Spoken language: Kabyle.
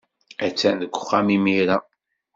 Attan deg uxxam imir-a.